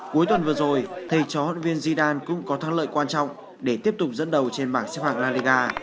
cuối tuần vừa rồi thầy chó huấn luyện viên zidane cũng có thắng lợi quan trọng để tiếp tục dẫn đầu trên bảng xếp hạng la liga